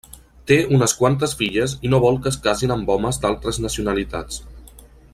Té unes quantes filles i no vol que es casin amb homes d'altres nacionalitats.